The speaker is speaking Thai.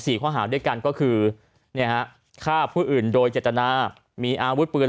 ข้อหาด้วยกันก็คือเนี่ยฮะฆ่าผู้อื่นโดยเจตนามีอาวุธปืน